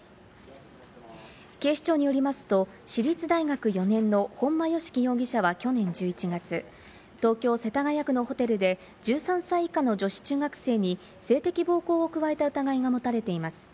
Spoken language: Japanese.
警視庁によりますと、私立大学４年の本間喜生容疑者は去年１１月、東京・世田谷区のホテルで、１３歳以下の女子中学生に性的暴行を加えた疑いが持たれています。